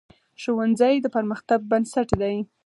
ښوونځی د پرمختګ بنسټ دی